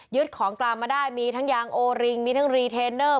ของกลางมาได้มีทั้งยางโอริงมีทั้งรีเทนเนอร์